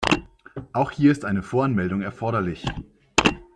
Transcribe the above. Auch hier ist eine Voranmeldung erforderlich.